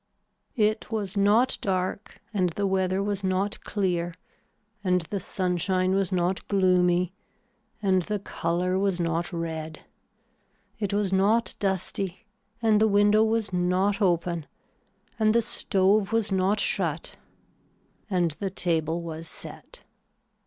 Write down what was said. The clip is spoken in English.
It was not dark and the weather was not clear and the sunshine was not gloomy and the color was not red, it was not dusty and the window was not open and the stove was not shut and the table was set.